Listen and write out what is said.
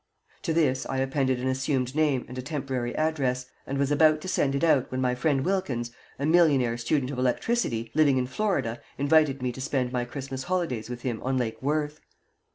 To this I appended an assumed name and a temporary address, and was about to send it out, when my friend Wilkins, a millionaire student of electricity, living in Florida, invited me to spend my Christmas holidays with him on Lake Worth.